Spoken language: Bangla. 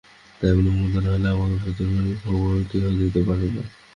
তাই বলি, মাতঙ্গ না হইলে আমাকে ভিতরকার খবর কেহ দিতে পারে না।